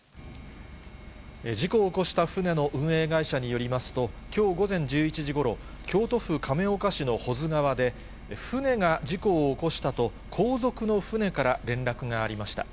事故を起こした船の運営会社によりますと、きょう午前１１時ごろ、京都府亀岡市の保津川で、船が事故を起こしたと、後続の船から連絡がありました。